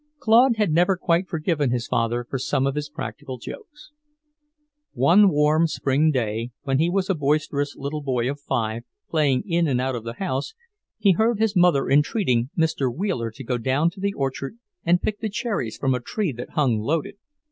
Claude had never quite forgiven his father for some of his practical jokes. One warm spring day, when he was a boisterous little boy of five, playing in and out of the house, he heard his mother entreating Mr. Wheeler to go down to the orchard and pick the cherries from a tree that hung loaded.